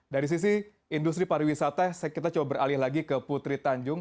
dari sisi industri pariwisata kita coba beralih lagi ke putri tanjung